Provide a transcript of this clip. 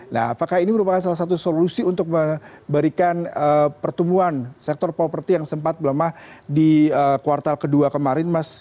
nah apakah ini merupakan salah satu solusi untuk memberikan pertumbuhan sektor properti yang sempat melemah di kuartal kedua kemarin mas